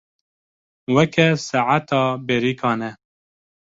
Weke saeta bêrîkan e.